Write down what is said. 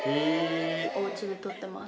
おうちで撮ってます。